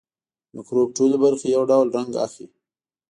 د مکروب ټولې برخې یو ډول رنګ اخلي.